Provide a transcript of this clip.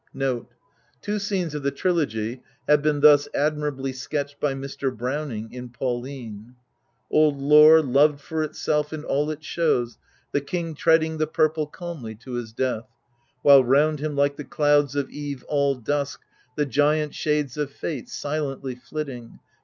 ^ The third part, called The Furies (the Greek name ^ Two scenes of the Trilogy have been thus admirably sketched by Mr. Browning in " Pauline ": "Old lore, Loved for itself and all it shows ; the king Treading the purple calmly to his death, While round him, like the clouds of eve, all dusk. The giant shades of fate, silently flitting.